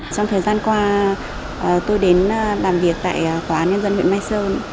trong thời gian qua tôi đến làm việc tại tòa án nhân dân huyện mai sơn